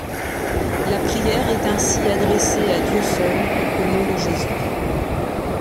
La prière est ainsi adressée à Dieu seul, au nom de Jésus.